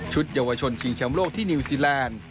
ชุดเยาวชนชิงเชียงโลกที่นิวซีแลนด์